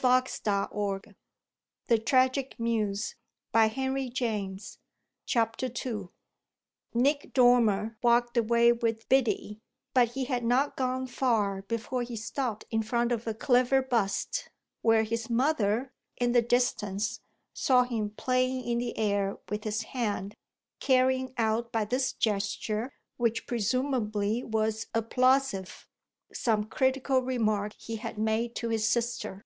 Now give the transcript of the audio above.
She judged with satisfaction that they had escaped. II Nick Dormer walked away with Biddy, but he had not gone far before he stopped in front of a clever bust, where his mother, in the distance, saw him playing in the air with his hand, carrying out by this gesture, which presumably was applausive, some critical remark he had made to his sister.